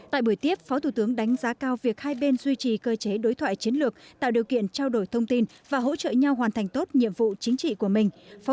tại buổi tiếp phó thủ tướng đánh giá cao việc hai bên duy trì cơ chế đối thoại chiến lược tạo điều kiện trao đổi thông tin và hỗ trợ nhau hoàn thành tốt nhiệm vụ chính trị của mình